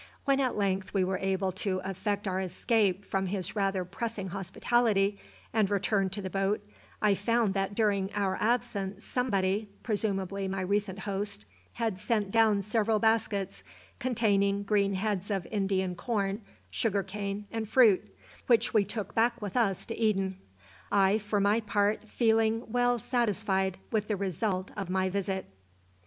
When at length we were able to effect our escape from his rather pressing hospitality, and returned to the boat, I found that during our absence somebody presumably my recent host had sent down several baskets containing green heads of indian corn, sugar cane, and fruit, which we took back with us to Eden; I for my part feeling well satisfied with the result of my visit.